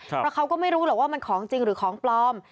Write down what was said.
เพราะเขาก็ไม่รู้หรอกว่ามันของจริงหรือของปลอม